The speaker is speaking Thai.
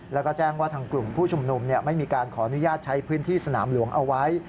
แล้วก็แจ้งว่าทางกลุ่มผู้ชุมนุมไม่มีการขออนุญาตใช้พื้นที่สนามหลวงเอาไว้